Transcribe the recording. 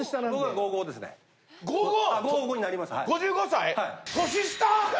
５５歳？